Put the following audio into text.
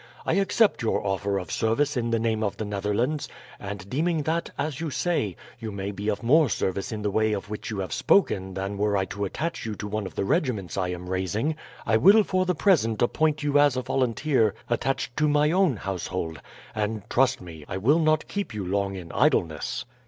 I accept your offer of service in the name of the Netherlands; and deeming that, as you say, you may be of more service in the way of which you have spoken than were I to attach you to one of the regiments I am raising, I will for the present appoint you as a volunteer attached to my own household, and, trust me, I will not keep you long in idleness."